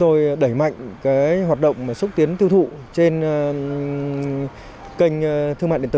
tôi đẩy mạnh cái hoạt động xúc tiến tiêu thụ trên kênh thương mại điện tử